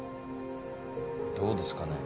どうですかね。